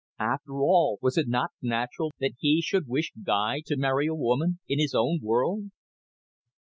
After all, was it not natural that he should wish Guy to marry a woman in his own world?